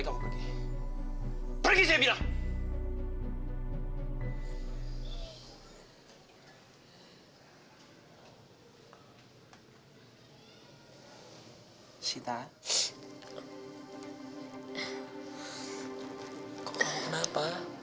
kamu belain dong mam